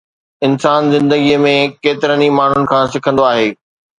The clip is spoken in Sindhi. انسان زندگيءَ ۾ ڪيترن ئي ماڻهن کان سکندو آهي.